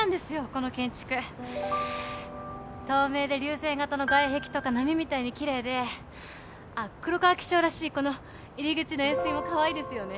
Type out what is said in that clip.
この建築透明で流線型の外壁とか波みたいにキレイであっ黒川紀章らしいこの入り口の円錐もかわいいですよね